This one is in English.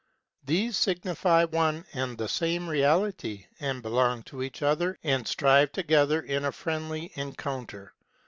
These signify one and the same Reality, and belong to each other and strive together in a friendly encounter.